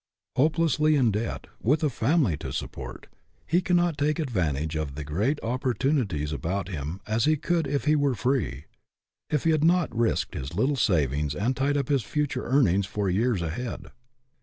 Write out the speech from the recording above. Hopelessly in debt, with a family to support, he cannot take advantage of the great opportunities about him as he could if he were free; if he had not risked his little savings and tied up his future earnings for years ahead.